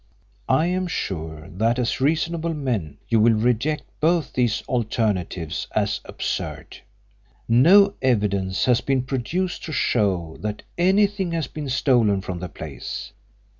I am sure that as reasonable men you will reject both these alternatives as absurd. No evidence has been produced to show that anything has been stolen from the place.